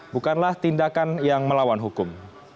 bukanlah tindakan yang melawan hukum